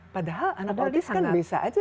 padahal anak otis kan bisa saja